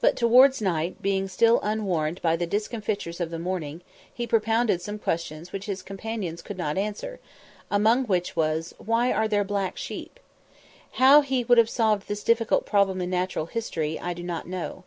But towards night, being still unwarned by the discomfitures of the morning, he propounded some questions which his companions could not answer; among which was, "Why are there black sheep?" How he would have solved this difficult problem in natural history, I do not know.